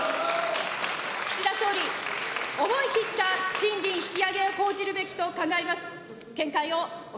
岸田総理、思い切った賃金引き上げを講じるべきと考えます。